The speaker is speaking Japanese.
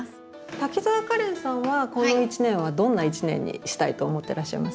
滝沢カレンさんはこの１年はどんな１年にしたいと思っていらっしゃいます？